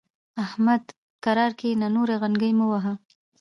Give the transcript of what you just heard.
احمد؛ کرار کېنه ـ نورې غنګۍ مه وهه.